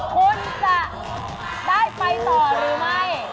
คุณจะได้ไปต่อหรือไม่